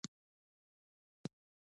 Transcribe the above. ځکه زه پوهېدم چې هغه په ځان باور درلود.